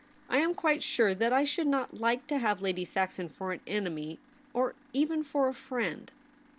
I am quite sure that I should not Hke to have Lady Saxon for an enemy, or even for a friend.'